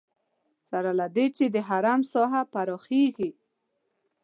سره له دې چې د حرم ساحه پراخېږي.